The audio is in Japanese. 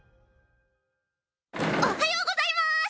おっはようございます！